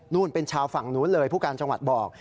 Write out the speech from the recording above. เป็นชาวฝั่งนู้นเลยผู้การจังหวัดบอก